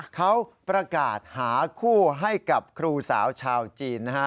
เขาประกาศหาคู่ให้กับครูสาวชาวจีนนะฮะ